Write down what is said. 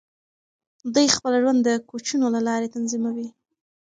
دوی خپل ژوند د کوچونو له لارې تنظیموي.